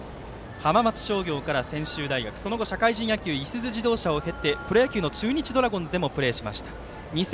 浜松商業から専修大学その後、社会人野球のいすゞ自動車を経てプロ野球の中日ドラゴンズでもプレーしました。